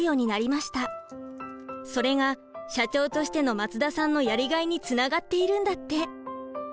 それが社長としての松田さんのやりがいにつながっているんだって。